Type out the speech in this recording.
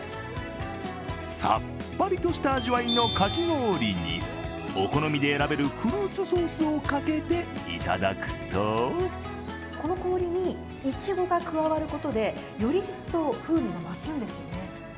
さっぱりとした味わいのかき氷にお好みで選べるフルーツソースをかけていただくとこの氷にいちごが加わることで、より一層風味が増すんですよね。